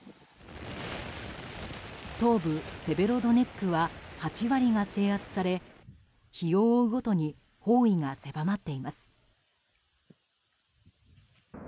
東部セベロドネツクは８割が制圧され日を追うごとに包囲が狭まっています。